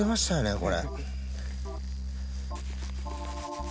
これ。